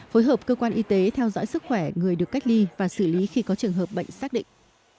phối hợp cơ quan y tế theo dõi sức khỏe người được cách ly và xử lý khi có trường hợp bệnh xác định